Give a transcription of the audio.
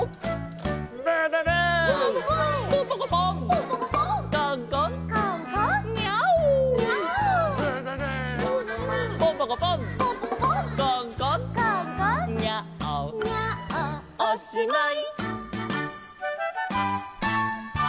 「ブブブー」「ブブブー」「ポンポコポン」「ポンポコポン」「コンコン」「コンコン」「ニャーオ」「ニャーオ」「ブブブー」「ブブブー」「ポンポコポン」「ポンポコポン」「コンコン」「コンコン」「ニャーオ」「ニャーオ」おしまい！